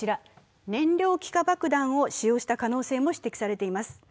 燃料気化爆弾を使用した可能性も指摘されています。